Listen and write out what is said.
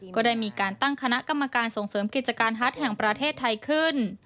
ก็ได้มีการตั้งคณะกรรมการส่งเสริมกิจการฮัทแห่งประเทศไทยขึ้น